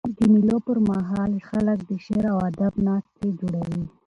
د مېلو پر مهال خلک د شعر او ادب ناستي جوړوي.